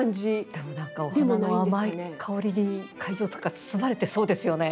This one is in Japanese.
でも何かお花の甘い香りに会場とか包まれてそうですよね。